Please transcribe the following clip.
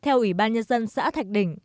theo ủy ban nhân dân xã thạch đỉnh